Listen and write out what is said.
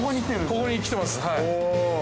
◆ここに来てます。